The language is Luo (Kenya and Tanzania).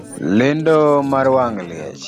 Lendo mar wang' liech